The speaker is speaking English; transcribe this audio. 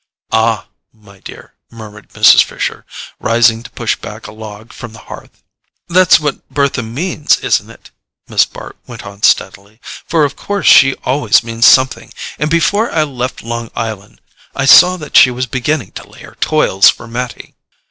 "Ah, my dear," murmured Mrs. Fisher, rising to push back a log from the hearth. "That's what Bertha means, isn't it?" Miss Bart went on steadily. "For of course she always means something; and before I left Long Island I saw that she was beginning to lay her toils for Mattie."